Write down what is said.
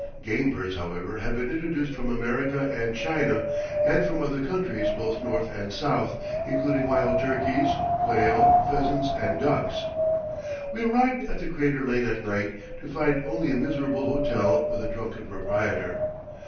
Game birds, however, have been introduced from America and China, and from other countries both north and south, including wild turkeys, quail, pheasants and ducks. We arrived at the crater late at night, to find only a miserable hotel with a drunken proprietor.